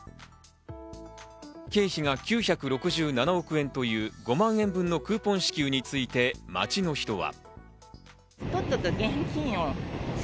経費が９６７億円という５万円分のクーポン支給について街の人は。